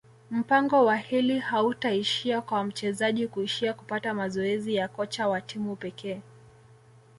mpango wa hili hautaishia kwa mchezaji kuishia kupata mazoezi ya kocha wa timu pekee